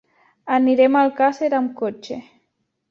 Anirem a Alcàsser amb cotxe.